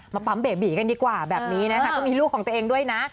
ปั๊มเบบีกันดีกว่าแบบนี้นะคะก็มีลูกของตัวเองด้วยนะ